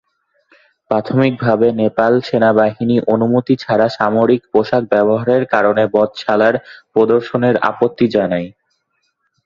প্রাথমিকভাবে নেপাল সেনাবাহিনী অনুমতি ছাড়া সামরিক পোশাক ব্যবহারের কারণে"বধশালা"র প্রদর্শনের আপত্তি জানায়।